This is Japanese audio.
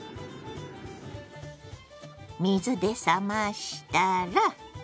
水で冷ましたら。